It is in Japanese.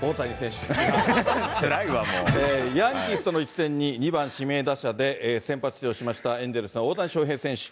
ヤンキースとの一戦に２番指名打者で先発出場しました、エンゼルスの大谷翔平選手。